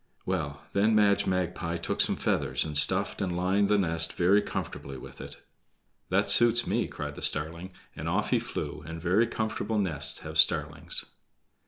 Well, then Madge Magpie took some feathers and stuff and lined the nest very comfortably with it. "That suits me," cried the starling, and off he flew; and very comfortable nests have starlings.